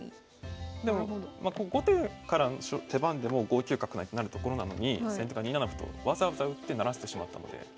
でも後手からの手番でも５九角成となるところなのに先手が２七歩とわざわざ打って成らせてしまったので。